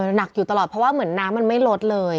หนักอยู่ตลอดเพราะว่าเหมือนน้ำมันไม่ลดเลย